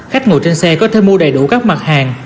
khách ngồi trên xe có thể mua đầy đủ các mặt hàng